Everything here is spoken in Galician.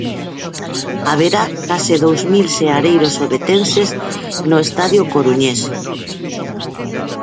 Haberá case dous mil seareiros ovetenses no estadio coruñés.